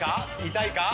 痛いか？